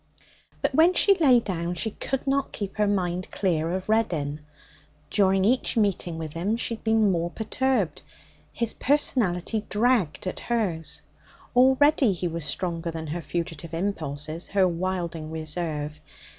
But when she lay down she could not keep her mind clear of Reddin; during each meeting with him she had been more perturbed. His personality dragged at hers. Already he was stronger than her fugitive impulses, her wilding reserve.